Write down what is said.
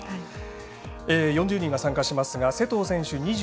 ４０人が参加しますが勢藤選手